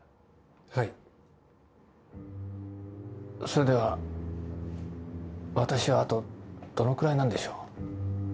それでは私はあとどのくらいなんでしょう？